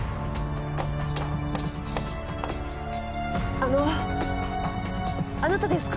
あのあなたですか？